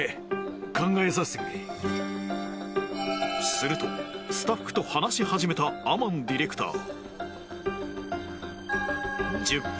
するとスタッフと話し始めたアマンディレクター